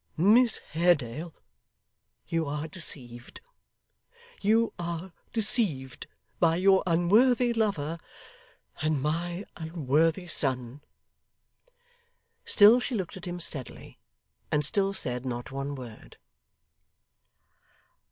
Miss Haredale, you are deceived; you are deceived by your unworthy lover, and my unworthy son.' Still she looked at him steadily, and still said not one word.